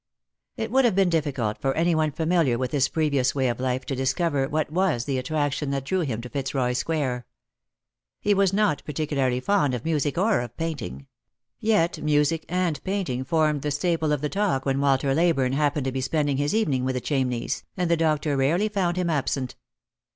It would have been difficult for any one familiar with his previous way of life to discover what was the attraction that drew him to Fitzroy square. He was not particularly fond of music or of painting ; yet music and painting formed the staple of the talk when "Walter Leyburne happened to be spending his evening with the Chamneys, and the doctor rarely found him absent.